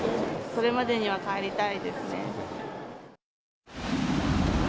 それまでには帰りたいですね。